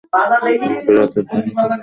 আমাকে রাতের জন্য থাকার জায়গা খুঁজতে হবে।